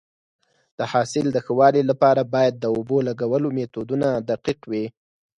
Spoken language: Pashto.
د حاصل د ښه والي لپاره باید د اوبو لګولو میتودونه دقیق وي.